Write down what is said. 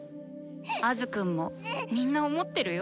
アズくんもみんな思ってるよ。